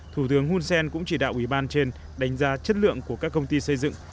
thủ tướng hunsen cũng chỉ đạo ủy ban trên đánh giá chất lượng của các công ty xây dựng